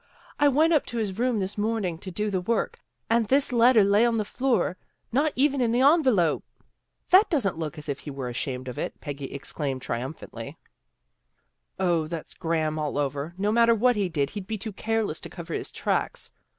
I went up to his room this morning to do the work and this letter lay on the floor, not even in the envelope." '' That doesn't look as if he were ashamed of it," Peggy exclaimed triumphantly. 158 THE GIRLS OF FRIENDLY TERRACE " 0, that's Graham all over. No matter what he did, he'd be too careless to cover his tracks.